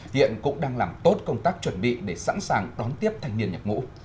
hiện cũng đang làm tốt công tác chuẩn bị để sẵn sàng đón tiếp thanh niên nhập ngũ